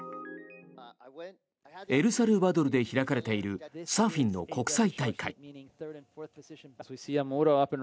エルサルバドルで開かれているサーフィンの国際大会。